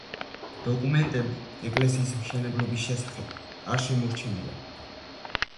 დოკუმენტები ეკლესიის მშენებლობის შესახებ არ შემორჩენილა.